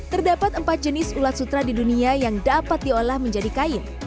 terdapat empat jenis ulat sutra di dunia yang dapat diolah menjadi kain